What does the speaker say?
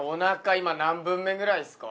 今何分目くらいですか？